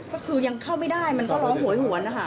ก็คือยังเข้าไม่ได้มันก็ร้องโหยหวนนะคะ